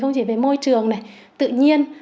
không chỉ về môi trường này tự nhiên